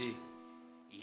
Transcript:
iya gue udah pikir